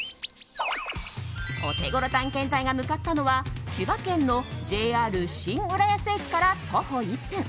オテゴロ探検隊が向かったのは千葉県のＪＲ新浦安駅から徒歩１分